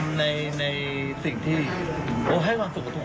ฟังเสียงคุณแฮกและคุณจิ้มค่ะ